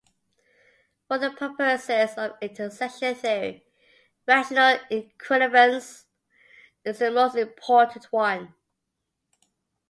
For the purposes of intersection theory, "rational equivalence" is the most important one.